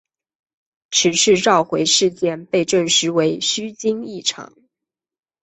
此次召回事件被证实为虚惊一场。